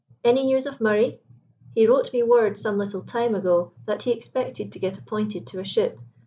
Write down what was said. Any news of Murray? He wrote me word, some little time ago, that he expected to get appointed to a ship.